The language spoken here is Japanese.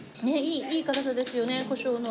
いい辛さですよねコショウの。